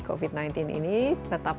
covid sembilan belas ini tetap